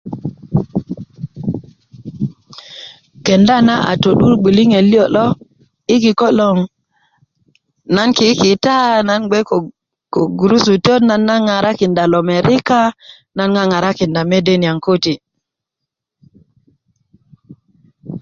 kenda a to'dur gbliŋet liyo lo yi kiko loŋ na kikita nan gbee ko gurusutöt naŋ na ŋarakinda lomerika un ŋaŋarakinda mede niyaŋ köti